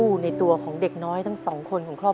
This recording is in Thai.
ที่ได้เงินเพื่อจะเก็บเงินมาสร้างบ้านให้ดีกว่า